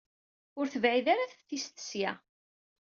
Ur tebɛid ara teftist seg-a.